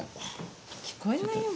聞こえないよ。